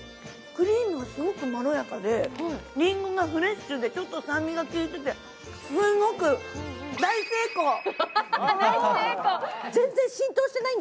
クリームがすごくまろやかでりんごがフレッシュで、ちょっと酸味が利いてて、すごく大成功！